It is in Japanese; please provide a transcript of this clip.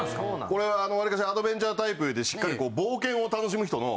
これはわりかしアドベンチャータイプいうてしっかり冒険を楽しむ人の